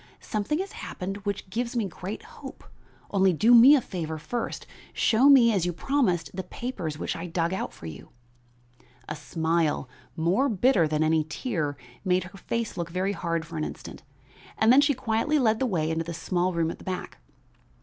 Something has happened which gives me great hope; only do me a favor first; show me, as you promised, the papers which I dug out for you." A smile, more bitter than any tear, made her face look very hard for an instant, then she quietly led the way into the small room at the back.